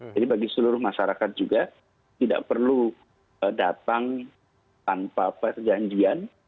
jadi bagi seluruh masyarakat juga tidak perlu datang tanpa perjanjian